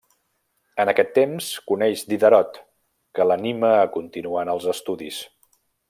En aquest temps coneix Diderot, que l'anima a continuar en els estudis.